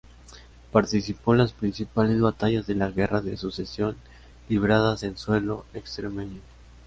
Participó en las principales batallas de la guerra de sucesión libradas en suelo extremeño.